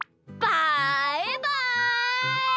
バイバイ！